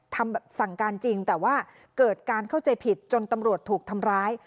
สั่งการจริงแต่ว่าเกิดการเข้าใจผิดจนตำรวจถูกทำร้าย